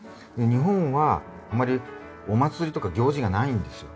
日本はあんまりお祭りとか行事がないんですよ。